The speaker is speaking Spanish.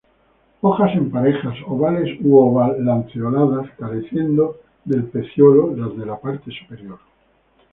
Hojas en parejas, ovales u oval-lanceoladas, careciendo de pecíolo las de la parte superior.